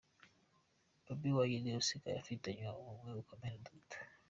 Bobi Wine usigaye afitanye ubumwe bukomeye na Dr.